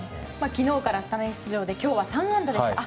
昨日からスタメン出場で今日は３安打でした。